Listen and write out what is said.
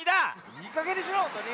いいかげんにしろほんとうに！